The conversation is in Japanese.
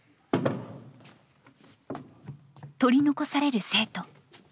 取り残される生徒。